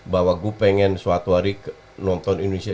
bahwa gue pengen suatu hari nonton indonesia